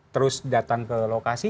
terus datang ke lokasi